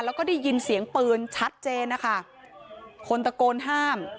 แล้วก็ได้ยินเสียงปืนชัดเจนนะคะคนตะโกนห้าม